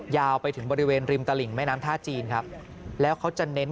ยาวไปถึงบริเวณริมตลิ่งแม่น้ำท่าจีนครับแล้วเขาจะเน้น